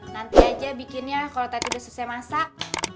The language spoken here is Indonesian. nanti aja bikinnya kalo tadi udah susah masak